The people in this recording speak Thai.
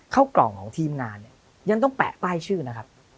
เข้ากล่องของทีมงานเนี่ยยังต้องแปะป้ายชื่อนะครับ